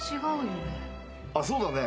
そうだね。